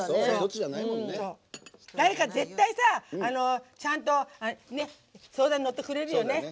誰か絶対、ちゃんと相談に乗ってくれるよね。